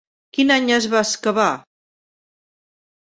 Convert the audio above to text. Quin any es va excavar?